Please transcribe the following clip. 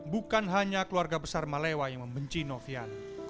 bukan hanya keluarga besar malewa yang membenci nofian